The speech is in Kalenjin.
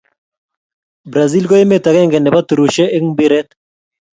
Brazil ko emet akenge ne bo turushe eng mpiret